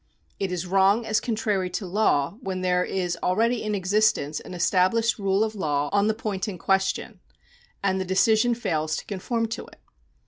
It is wrong as contrary to law, when there is already in existence an established rule of law on the point in question, and the decision fails to conform to it.